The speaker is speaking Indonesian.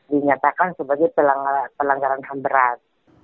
dinyatakan sebagai pelanggaran ham berat